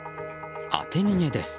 当て逃げです。